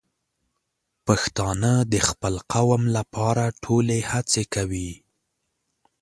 پښتانه د خپل قوم لپاره ټولې هڅې کوي.